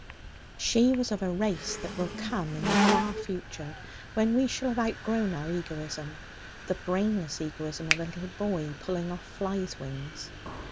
She was of a race that will come in the far future, when we shall have outgrown our egoism the brainless egoism of a little boy pulling off flies' wings.